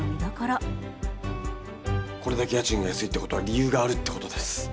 これだけ家賃が安いってことは理由があるってことです。